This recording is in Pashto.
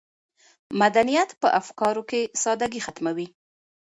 مدنیت په افکارو کې سادګي ختموي.